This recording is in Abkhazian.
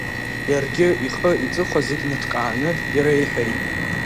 Иаргьы ихы, иҵыхәа зегьы ныҭкааны иреиҳәеит.